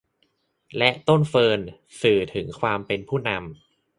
และต้นเฟิร์น สื่อถึงความเป็นผู้นำ